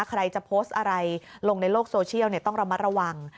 ใครจะโพสต์อะไรลงในโลกโซเชียลต้องระมัดระวัง